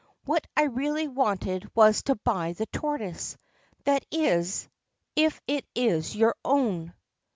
What I really wanted was to buy the tortoise, that is, if it is your own.'